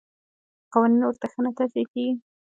قوانین ورته ښه نه تشریح کېږي.